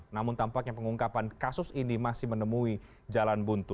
namun tampaknya pengungkapan kasus ini masih menemui jalan buntu